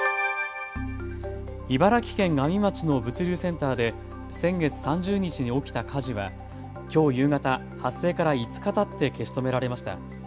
茨城県阿見町の物流センターで先月３０日に起きた火事はきょう夕方、発生から５日たって消し止められました。